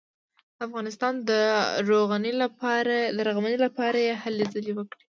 د افغانستان د رغونې لپاره یې هلې ځلې وکړې.